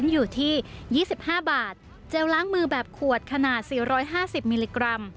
อยู่ที่๒๕บาทเจลล้างมือแบบขวดขนาด๔๕๐มิลลิกรัม